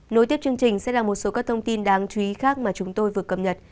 nối tiếp chương trình sẽ là một số các thông tin đáng chú ý khác mà chúng tôi vừa cập nhật